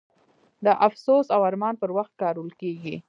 د افسوس او ارمان پر وخت کارول کیږي.